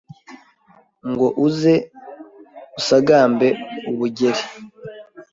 Ngo uze usagambe ubujyeri